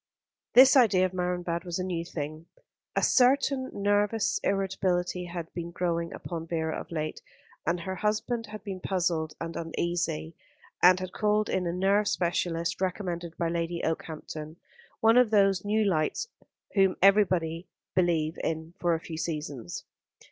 This idea of Marienbad was a new thing. A certain nervous irritability had been growing upon Vera of late, and her husband had been puzzled and uneasy, and had called in a nerve specialist recommended by Lady Okehampton, one of those new lights whom everybody believe in for a few seasons.